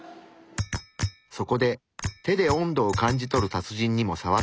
そこで手で温度を感じ取る達人にもさわってもらいます。